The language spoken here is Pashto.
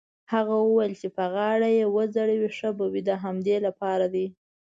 هغه وویل: چې په غاړه يې وځړوې ښه به وي، د همدې لپاره دی.